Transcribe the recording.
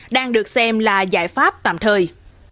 đang được xem là giải pháp tạm thời